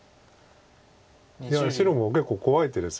いや白も結構怖い手です